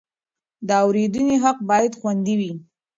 د اورېدنې حق باید خوندي وي.